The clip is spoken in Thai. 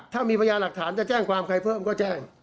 ถ้ามีพยาหลักฐานจะแจ้งความใครเพิ่มก็แจ้ง